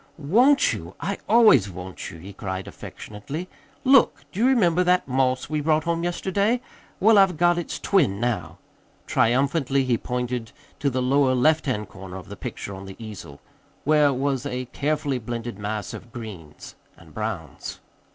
"Want you? I always want you!" he cried affectionately. "Look! Do you remember that moss we brought home yesterday? Well, I've got its twin now." Triumphantly he pointed to the lower left hand corner of the picture on the easel, where was a carefully blended mass of greens and browns.